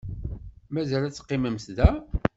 Mazal ad teqqimemt da?